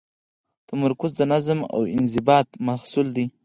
تمرکز د نظم او انضباط محصول دی.